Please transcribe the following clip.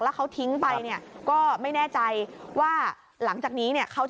แล้วเขาทิ้งไปก็ไม่แน่ใจว่าหลังจากนี้